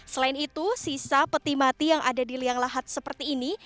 selain itu sisa peti mati yang ada di liang lahat seperti ini